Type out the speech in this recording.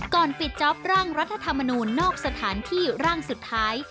ก่อนปิดจ๊อปร่างรัฐธรรมนูลนอกสถานที่ร่างสุดท้าย